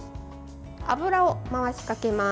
油を回しかけます。